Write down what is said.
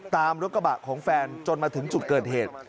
ตามรถกระบะของแฟนจนมาถึงจุดเกิดเหตุ